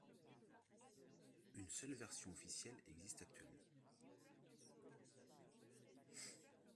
Une seule version officielle existe actuellement.